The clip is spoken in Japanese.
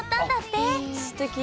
すてき。